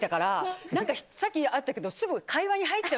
さっきあったけど。